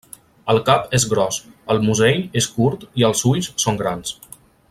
El cap és gros, el musell és curt i els ulls són grans.